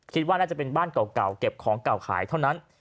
คิดว่าน่าจะเป็นบ้านเก่าเก็บของเก่าขายเท่านั้น